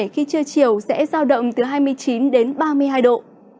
khi trưa chiều sẽ giao động từ hai mươi chín đến ba mươi hai độ